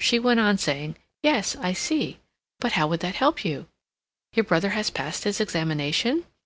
She went on, saying, "Yes, I see.... But how would that help you?... Your brother has passed his examination?"